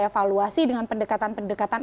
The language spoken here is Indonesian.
evaluasi dengan pendekatan pendekatan